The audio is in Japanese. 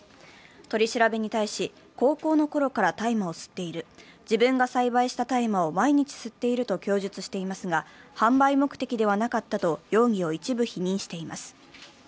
取り調べに対し、高校のころから大麻を吸っている、自分が栽培した大麻を毎日吸っていると供述していますが販売目的ではなかったと容疑を一部否認しています。